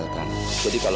ini nanti masih ga ada